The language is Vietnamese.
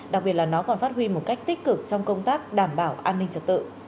đặc biệt là nó còn phát huy một cách tích cực trong công tác đảm bảo an ninh trật tự